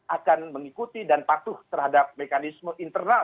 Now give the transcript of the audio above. akan mengikuti dan patuh terhadap mekanisme internal